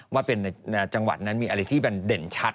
ว่าเป็นในจังหวัดนั้นมีอะไรที่มันเด่นชัด